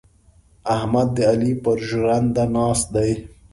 احمد د علي پر ژرنده ناست دی.